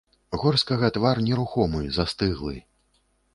Горскага твар нерухомы, застыглы.